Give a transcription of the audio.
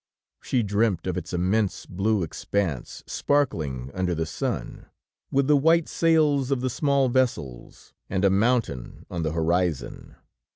She dreamt of its immense blue expanse sparkling under the sun, with the white sails of the small vessels, and a mountain on the horizon.